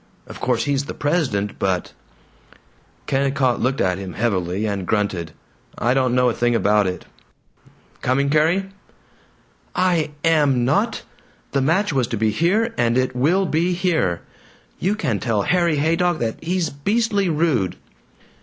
Of course he's the president, but " Kennicott looked at him heavily, and grunted, "I don't know a thing about it. ... Coming, Carrie?" "I am not! The match was to be here, and it will be here! You can tell Harry Haydock that he's beastly rude!"